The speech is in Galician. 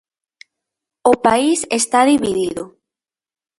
O país está dividido.